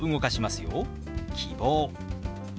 「希望」。